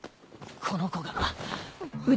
この子が？